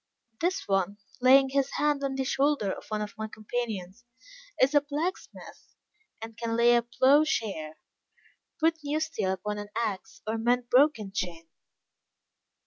This one," laying his hand on the shoulder of one of my companions, "is a blacksmith; and can lay a ploughshare; put new steel upon an axe; or mend a broken chain."